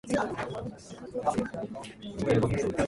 本質的な愛情